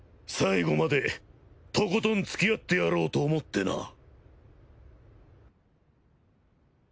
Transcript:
最後までとことんつきあってやろうと思ってな。